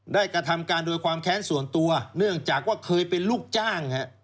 กระทำการโดยความแค้นส่วนตัวเนื่องจากว่าเคยเป็นลูกจ้าง